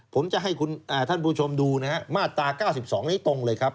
ผมจะให้ท่านผู้ชมดูนะฮะมาตรา๙๒นี้ตรงเลยครับ